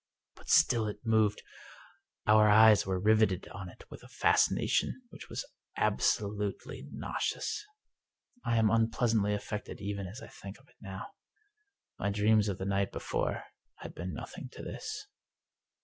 But still it moved! Our eyes were riveted on it with a fascination which was absolutely nauseous. I am unpleasantly affected even as I think of it now. My dreams of the night before had been nothing to this.